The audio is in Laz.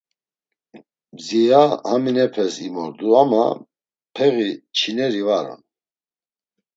Ziya haminepes imordu ama peği çineri var on.